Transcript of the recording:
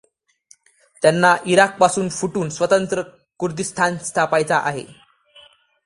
त्यांना इराकपासून फुटून स्वतंत्र कुर्दिस्तान स्थापायचा आहे.